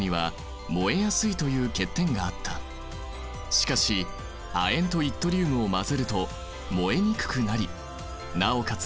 しかし亜鉛とイットリウムを混ぜると燃えにくくなりなおかつ